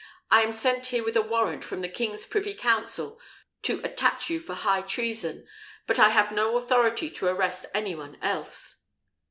I am sent here with a warrant from the king's privy council to attach you for high treason; but I have no authority to arrest any one else."